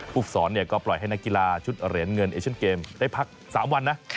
ผู้สอนก็ปล่อยให้นักกีฬาชุดเหรียญเงินเอเชียนเกมได้พัก๓วันนะ